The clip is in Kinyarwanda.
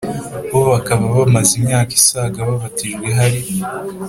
Bo bakaba bamaze imyaka isaga babatijwe hari